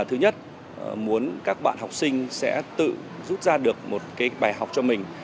thứ nhất muốn các bạn học sinh sẽ tự rút ra được một bài học cho mình